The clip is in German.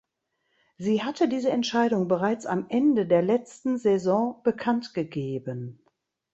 Sie hatte diese Entscheidung bereits am Ende der letzten Saison bekannt gegeben.